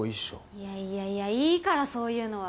いやいやいやいいからそういうのは。